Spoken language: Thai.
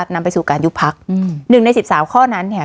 นำไปสู่การยุบพักหนึ่งในสิบสามข้อนั้นเนี่ย